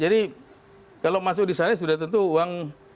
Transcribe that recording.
jadi kalau masuk disana sudah tentu uang